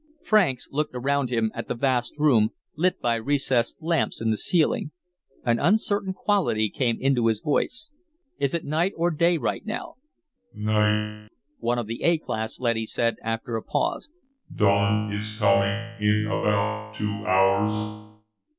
Franks looked around him at the vast room, lit by recessed lamps in the ceiling. An uncertain quality came into his voice. "Is it night or day right now?" "Night," one of the A class leadys said, after a pause.